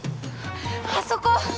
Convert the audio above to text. あそこ！